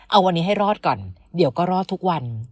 เอาวันนี้ให้รอดก่อนเดี๋ยวก็รอดทุกวัน